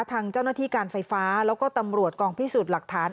ทางเจ้าหน้าที่การไฟฟ้าแล้วก็ตำรวจกองพิสูจน์หลักฐาน